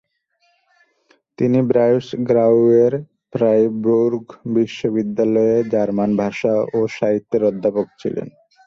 তিনি ব্রাইসগাউয়ের ফ্রাইবুর্গ বিশ্ববিদ্যালয়ের জার্মান ভাষা ও সাহিত্যের অধ্যাপক ছিলেন।